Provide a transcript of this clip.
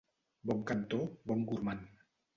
Bon cantor, bon gormand.